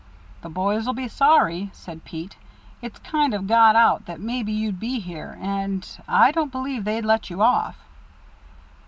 "The boys'll be sorry," said Pete. "It's kind of got out that maybe you'd be here, and I don't believe they'd let you off."